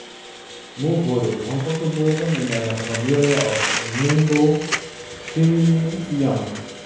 Mo wurde in Hongkong geboren in einer Familie aus Ningbo (Zhejiang).